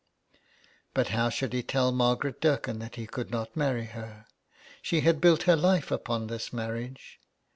But how should he tell Margaret Dirken that he could not marry her ? She had built her life upon this marriage.